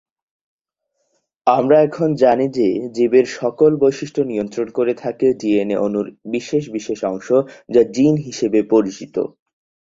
তবে প্রায়শঃই তিনি আঘাতজনিত কারণে মাঠের বাইরে থাকতেন।